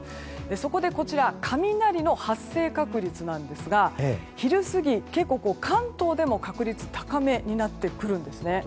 そこでこちら雷の発生確率ですが昼過ぎ、結構、関東での確率高めになってくるんですね。